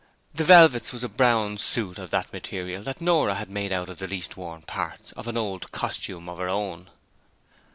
The 'velvets' was a brown suit of that material that Nora had made out of the least worn parts of an old costume of her own.